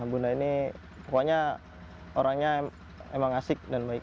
bunda ini pokoknya orangnya emang asik dan baik